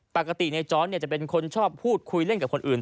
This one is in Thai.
ปกติในจอร์ดจะเป็นคนชอบพูดคุยเล่นกับคนอื่น